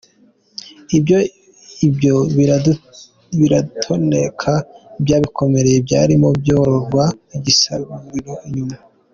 Ibyo biradutoneka, bya bikomere byarimo byomorwa bigasubira inyuma.